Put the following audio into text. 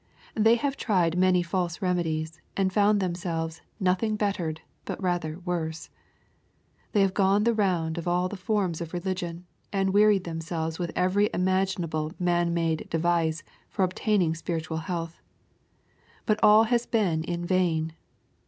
They have tried many false remedies, and found themselves *' nothing bettered, but rather worse." They have gone the round of all the forms of religion, and wearied themselves with every immaginable man made device for obtaining spir itual health. But all has been in vain.